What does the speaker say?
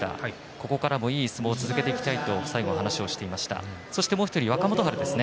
ここからもいい相撲を続けていたいと話をしていました若元春です。